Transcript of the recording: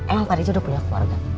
emang padahal udah punya keluarga